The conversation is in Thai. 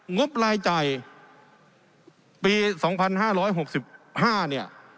งบรายจ่ายปีสองพันห้าร้อยหกสิบห้าเนี้ย